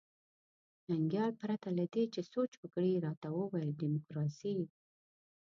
ننګیال پرته له دې چې سوچ وکړي راته وویل ډیموکراسي.